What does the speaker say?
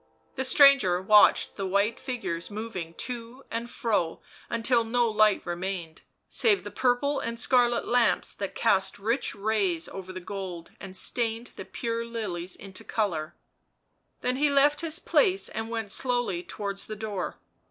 The stranger watched the white figures moving to and fro until no light remained, save the purple and scarlet lamps that cast rich rays over the gold and stained the pure lilies into colour, then he left his place and went slowly towards the door.